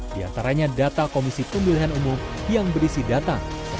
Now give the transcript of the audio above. di antaranya data komisi pemilihan umum yang berisi data